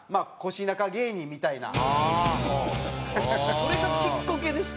それがきっかけですか？